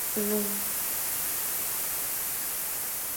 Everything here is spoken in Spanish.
Pei y Paul Rudolph".